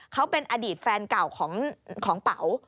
เขาเป็นอดีตแฟนเก่าของเป๋า